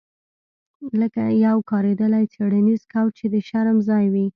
لکه یو کاریدلی څیړنیز کوچ چې د شرم ځای وي